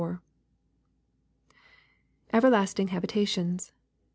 [Everlasting habitations.'